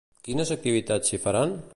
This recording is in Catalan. Quines activitats s'hi faran?